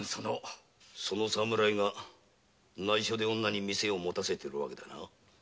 その侍が内緒で女に店を持たせてる訳だな。